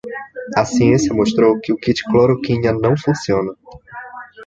A ciência mostrou que o kit cloroquina não funciona